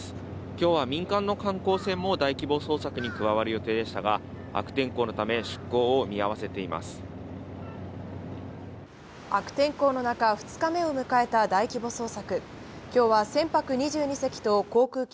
今日は民間の観光船も大規模捜索に加わる予定でしたが、悪天候の悪天候の中、２日目を迎えた大規模捜索。